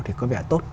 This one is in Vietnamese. thì có vẻ tốt